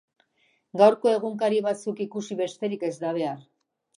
Gaurko egunkari batzuk ikusi besterik ez da behar.